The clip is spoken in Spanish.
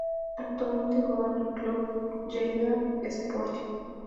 Actualmente juega en el Club Lleida Esportiu.